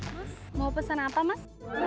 mas mau pesen apa mas